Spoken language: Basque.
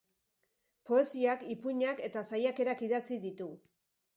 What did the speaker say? Poesiak, ipuinak eta saiakerak idatzi ditu.